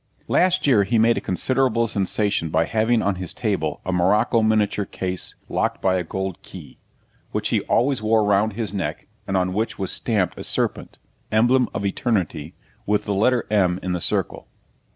Last year he made a considerable sensation by having on his table a morocco miniature case locked by a gold key, which he always wore round his neck, and on which was stamped a serpent emblem of eternity with the letter M in the circle.